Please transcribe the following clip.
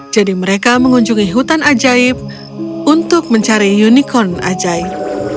jadi mereka mengunjungi hutan ajaib untuk mencari unicorn ajaib